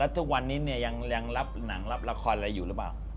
ทุกวันนี้ยังรับหนังรับละครอะไรอยู่หรือเปล่า